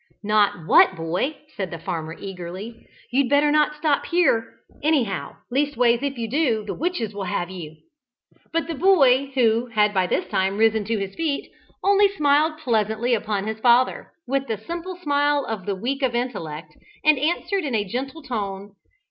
"Not what, boy?" said the farmer eagerly. "You'd better not stop here, anyhow; leastways if you do, the witches will have you." But the boy, who had by this time risen to his feet, only smiled pleasantly upon his father, with the simple smile of the weak of intellect, and answered in a gentle tone.